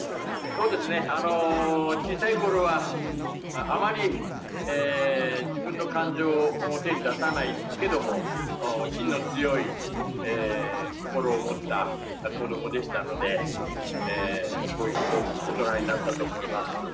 小さい頃はあまり自分の感情を表に出さないけども、芯の強い心を持った子供でしたので、大人になったと思います。